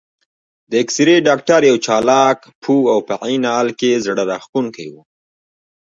د اېکسرې ډاکټر یو چالاک، پوه او په عین حال کې زړه راښکونکی و.